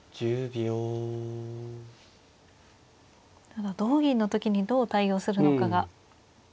ただ同銀の時にどう対応するのかが。